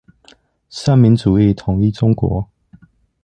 三民主義統一中國